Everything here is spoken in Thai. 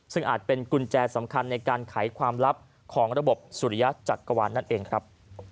ซึ่งอาจเป็นกุญแจสำคัญในการไขความลับของระบบสุริยะจักรวาลนั่นเองครับ